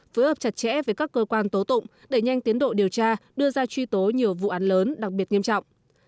phối hợp chặt chẽ với các cơ quan tố tụng đẩy nhanh tiến độ điều tra đưa ra truy tố nhiều vụ án lớn đặc biệt nghiêm trọng